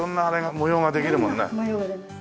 模様が出ます。